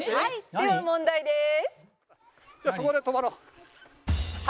では問題です」